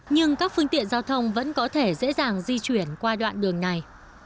nhưng các phương tiện giao thông vẫn có thể dễ dàng di chuyển qua đoạn đường này